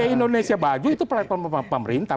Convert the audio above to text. indonesia maju itu pelayanan pemerintah